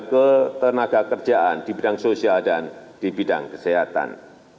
ketenaga kerjaan di bidang sosial dan di bidang kesehatan